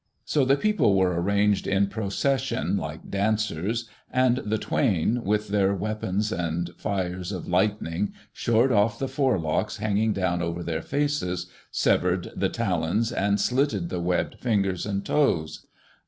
So the people were arranged in procession like dancers. And the Twain with their weapons and fires of lightning shored off the forelocks hanging down over their faces, severed the talons, and slitted the webbed fingers and toes.